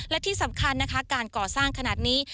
และที่สำคัญนะคะการก่อสร้างขนาดนี้